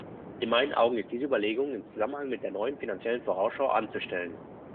In meinen Augen ist diese Überlegung im Zusammenhang mit der neuen finanziellen Vorausschau anzustellen.